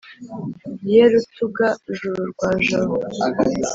ye rutuga-juru rwa jabo,